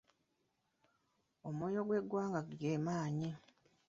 Omwoyo gwe ggwanga ge maanyi.